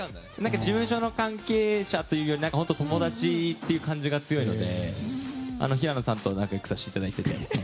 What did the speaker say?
事務所の関係者というよりも友達という感じが強いので平野さんとも仲良くしています。